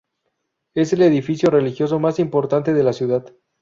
Es el edificio religioso más importante de la ciudad.